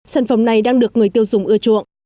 sản phẩm này đang được người tiêu dùng ưa chuộng